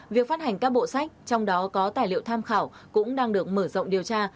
việc phát hành các bộ sách trong đó có tài liệu tham khảo cũng đang được mở rộng điều tra